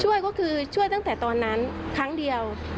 ช่วยก็คือช่วยตั้งแต่ตอนนั้นครั้งเดียว